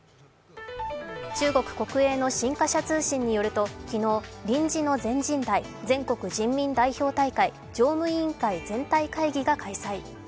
中国国営の新華社通信によると昨日臨時の全人代＝全国人民代表大会常務委員会全体会議が開催。